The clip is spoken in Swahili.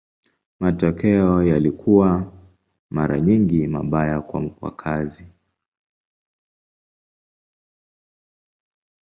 Matokeo yalikuwa mara nyingi mabaya kwa wakazi.